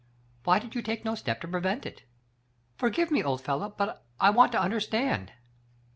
Why did you take no step to prevent it ? Forgive me, old fellow, but I want to understand."